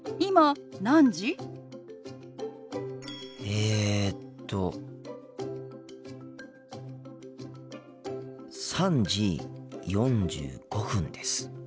えっと３時４５分です。